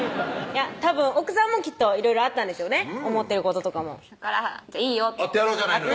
たぶん奥さんもきっといろいろあったんですよね思ってることとかもだから「いいよ」って会ってやろうじゃないのよ